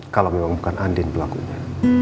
kalau memang bukan andi yang berlakunya